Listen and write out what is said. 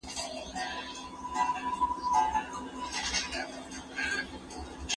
کار د زده کوونکي له خوا کيږي